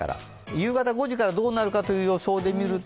夕方５時からどうなるかという予想で見ると？